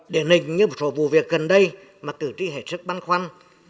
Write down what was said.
để nền như một số vụ việc gần đây mà cử trí hệ sức băn khoản